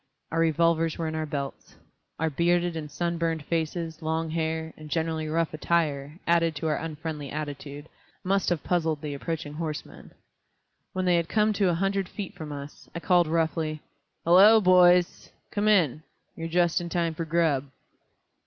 Our revolvers were in our belts. Our bearded and sun burned faces, long hair, and generally rough attire, added to our unfriendly attitude, must have puzzled the approaching horsemen. When they had come to a hundred feet from us, I called roughly, "Helloa, boys! come in. You're just in time for grub."